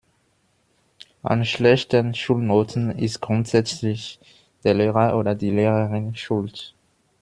An schlechten Schulnoten ist grundsätzlich der Lehrer oder die Lehrerin schuld.